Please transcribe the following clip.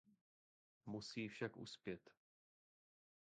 Musí však uspět.